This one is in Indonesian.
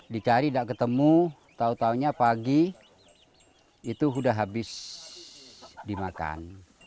dicari tidak ketemu tau taunya pagi itu sudah habis dimakan